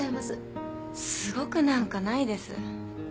すごくなんかないです。